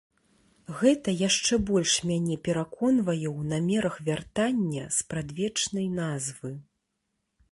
Гэта яшчэ больш мяне пераконвае ў намерах вяртання спрадвечнай назвы.